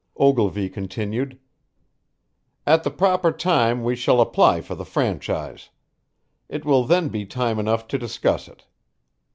Ogilvy continued: "At the proper time we shall apply for the franchise. It will then be time enough to discuss it.